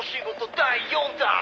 第４弾」